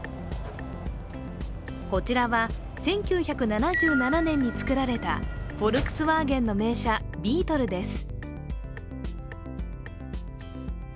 こちらは１９７７年に作られたフォルクスワーゲンの名車、ビートルです。